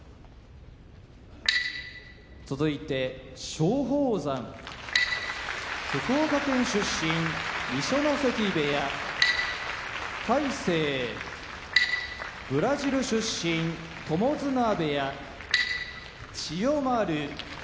松鳳山福岡県出身二所ノ関部屋魁聖ブラジル出身友綱部屋千代丸